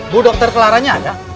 bu dokter kelarannya ada